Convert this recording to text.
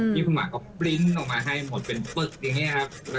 นี่คุณหมาก็ปริ้นต์ออกมาให้หมดเป็นปึกอย่างนี้ครับ